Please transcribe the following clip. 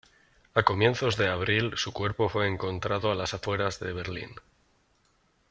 A comienzos de abril su cuerpo fue encontrado a las fueras de Berlín.